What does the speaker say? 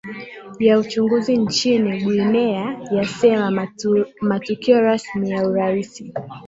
ya uchaguzi nchini guinea ya sema matukio rasmi ya urais